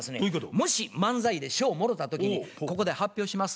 もし漫才で賞をもろた時に「ここで発表します。